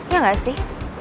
ya gak sih